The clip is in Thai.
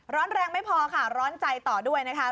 ร้อนแรงไม่พอค่ะร้อนใจต่อด้วยนะคะ